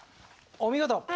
お見事！